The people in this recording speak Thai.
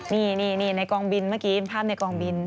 นี่ในกองบินเมื่อกี้ภาพในกองบิน